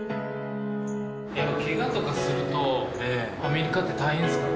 けがとかするとアメリカって大変ですか？